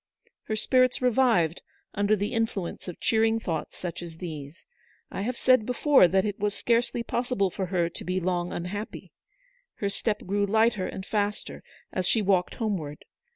Her spirits revived under the influence of cheering thoughts such as these. I have said before that it was scarcely possible for her to be long unhappy. Her step grew lighter and faster as she walked homeward.